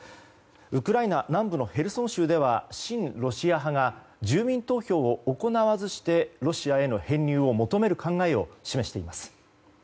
ウクライナ南部のヘルソン州では親ロシア派が住民投票を行わずしてロシアへの編入を求める考えを示しています。